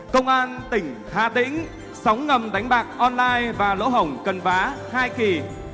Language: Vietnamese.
công an tỉnh hà tĩnh sóng ngầm đánh bạc online và lỗ hổng cần vá hai kỳ